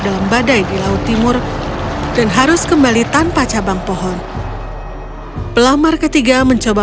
dalam badai di laut timur dan harus kembali tanpa cabang pohon pelamar ketiga mencoba